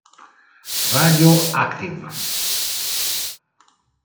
Radio Active